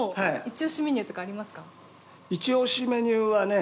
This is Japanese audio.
イチオシメニューはね。